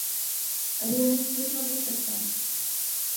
Але яны спрытна вучацца.